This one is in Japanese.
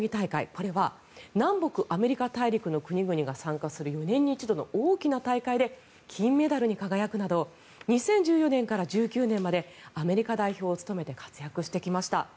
これは南北アメリカ大陸の国々が参加する４年に一度の大きな大会で金メダルに輝くなど２０１４年から１９年までアメリカ代表を務めて活躍してきました。